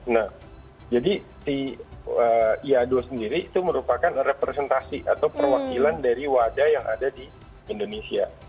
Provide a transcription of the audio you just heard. nah jadi si iado sendiri itu merupakan representasi atau perwakilan dari wadah yang ada di indonesia